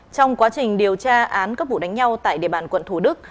trong quá trình điều tra án các vụ đánh nhau tại địa bàn quận thủ đức